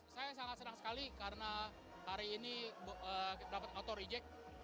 saya sangat senang sekali karena hari ini dapat auto reject